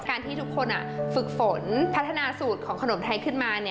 ที่ทุกคนฝึกฝนพัฒนาสูตรของขนมไทยขึ้นมา